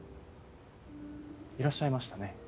いらっしゃいましたね。